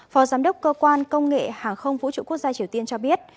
phó giám đốc cơ quan công nghệ hàng không vũ trụ quốc gia triều tiên cho biết